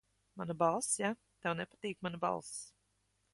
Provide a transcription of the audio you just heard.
Mana balss, ja? Tev nepatīk mana balss.